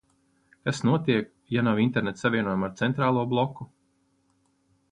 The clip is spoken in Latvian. Kas notiek, ja nav interneta savienojuma ar centrālo bloku?